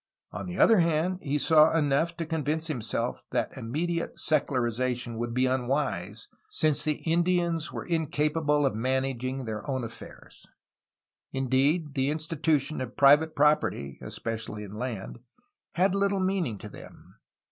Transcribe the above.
On the other hand he saw enough to con vince himself that immediate secularization would be un wise, since the Indians were incapable of managing their own affairs. Indeed, the institution of private property (especially in land) had little meaning to them.